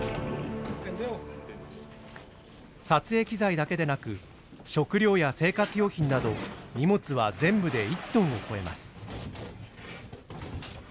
撮影機材だけでなく食料や生活用品など荷物は全部で１トンを超えます。